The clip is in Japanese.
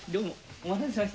お待たせしまして。